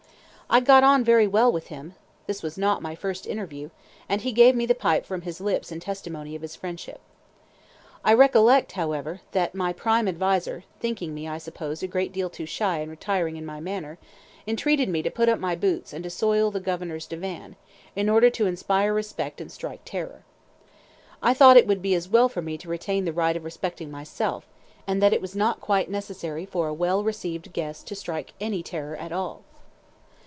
I got on very well with him (this was not my first interview), and he gave me the pipe from his lips in testimony of his friendship. I recollect, however, that my prime adviser, thinking me, I suppose, a great deal too shy and retiring in my manner, entreated me to put up my boots and to soil the Governor's divan, in order to inspire respect and strike terror. I thought it would be as well for me to retain the right of respecting myself, and that it was not quite necessary for a well received guest to strike any terror at all.